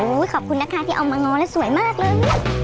อุ๊ยขอบคุณนะคะที่เอามานอนแล้วสวยมากเลย